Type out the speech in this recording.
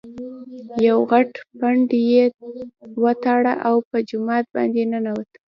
یو غټ پنډ یې وتاړه او په جومات باندې ننوت.